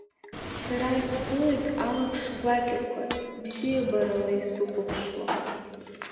Сара исԥылеит алаԥш гәакьақәа, бзиабарала исыхәаԥшуа.